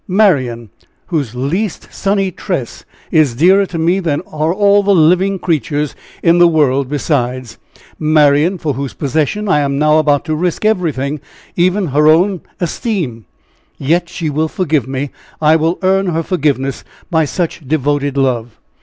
Marian, whose least sunny tress is dearer to me than are all the living creatures in the world besides. Marian, for whose possession I am now about to risk everything, even her own esteem. Yet, she will forgive me; I will earn her forgiveness by such devoted love."